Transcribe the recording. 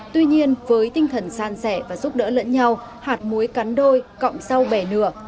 tuy nhiên với tinh thần san sẻ và giúp đỡ lẫn nhau hạt muối cắn đôi cộng sau bẻ nửa